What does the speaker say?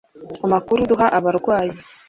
Amakuru duha abarwayi